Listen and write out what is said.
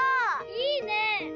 「いいね！」。